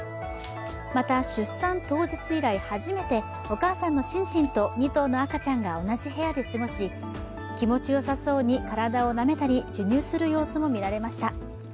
また、出産当日以来初めてお母さんのシンシンと２頭の赤ちゃんが同じ部屋で過ごし、気持ちよさそうに体をなめたり授乳する様子も見られました。